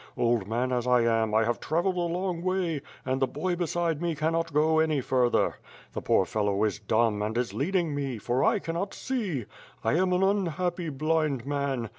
Old man as I am, I have travelled a long way, and the boy beside me cannot go any further. The 264 ^^^^^^^^^^'^ 8W0RD. poor fellow is dumb, and is leading me, for I cannot see. I am an unhappy, blind man.